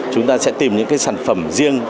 chúng ta sẽ tìm những sản phẩm riêng